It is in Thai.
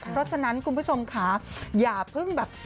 เพราะฉะนั้นคุณผู้ชมค่ะอย่าเพิ่งแบบ